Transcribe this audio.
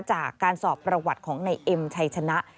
จากการสอบประวัติของในเอ็มชัยชนะ